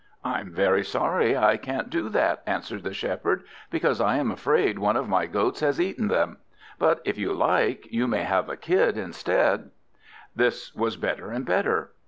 "I'm very sorry I can't do that," answered the Shepherd, "because I am afraid one of my goats has eaten them; but if you like, you may have a Kid instead." This was better and better.